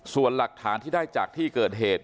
ส่วนหลักฐานที่ได้จากที่เกิดเหตุ